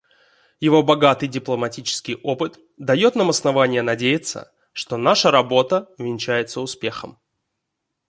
Его богатый дипломатический опыт дает нам основания надеяться, что наша работа увенчается успехом.